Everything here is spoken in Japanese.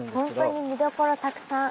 ほんとに見どころたくさん。